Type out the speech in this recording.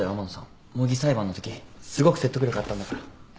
模擬裁判のときすごく説得力あったんだから。